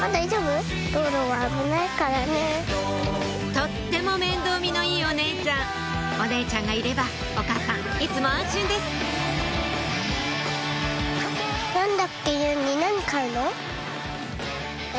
とっても面倒見のいいお姉ちゃんお姉ちゃんがいればお母さんいつも安心ですえ？